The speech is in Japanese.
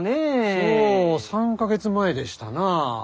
そう３か月前でしたなァー。